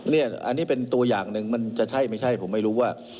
นี่อันนี้เป็นตัวอย่างหนึ่งมันจะใช่ไม่ใช่ผมไม่รู้ว่า